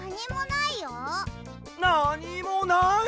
なにもない？